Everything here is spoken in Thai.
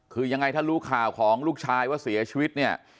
คือยังไงถ้ารู้ข่าวของลูกชายว่าเสียชีวิตเนี่ย